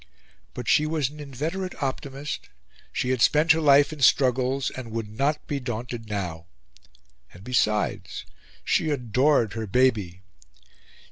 But she was an inveterate optimist; she had spent her life in struggles, and would not be daunted now; and besides, she adored her baby.